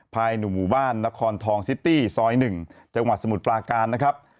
หนุ่มหมู่บ้านนครทองซิตี้ซอย๑จังหวัดสมุทรปลาการนะครับ